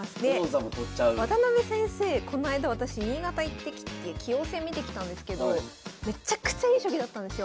渡辺先生こないだ私新潟行ってきて棋王戦見てきたんですけどめちゃくちゃいい将棋だったんですよ。